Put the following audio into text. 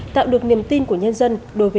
tạo được niềm tin của nhân dân đối với